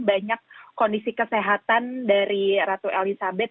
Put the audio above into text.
banyak kondisi kesehatan dari ratu elizabeth